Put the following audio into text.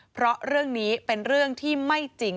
เพราะเรื่องนี้เป็นเรื่องที่ไม่จริง